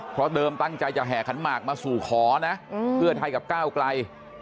เพราะเดิมตั้งใจจะแห่ขันหมากมาสู่ขอนะเพื่อไทยกับก้าวไกล